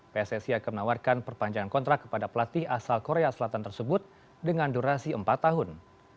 pssi akan menawarkan perpanjangan kontrak kepada pelatih asal korea selatan tersebut dengan durasi empat tahun